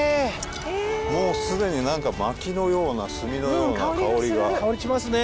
へえもうすでに何か薪のような炭のような香りが香りしますね